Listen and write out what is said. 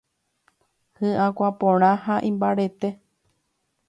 Hyakuã porã ha imbarete.